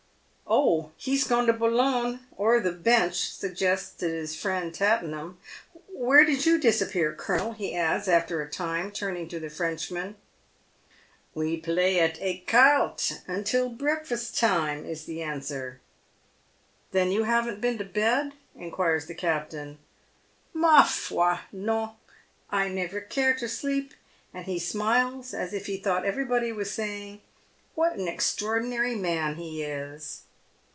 " Oh, he's gone to Boulogne, or the Bench," suggested his friend Tattenham. " Where did you disappear, colonel," he adds, after a time, turning to the Frenchman. " We play at ecarte till breakfast time," is the answer. ■ Then you haven't been' to bed ?" inquires the captain. " Ma foi, non. I never care to sleep ;" and he smiles as if he thought everybody was saying, "What an extraordinary man he is